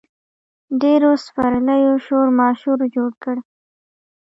ډېرو سپرلیو شورماشور جوړ کړ.